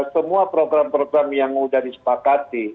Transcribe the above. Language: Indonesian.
semua program program yang sudah disepakati